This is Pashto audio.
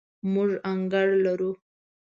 موږ انګړ لرو